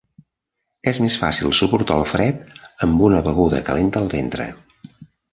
És més fàcil suportar el fred amb una beguda calenta al ventre.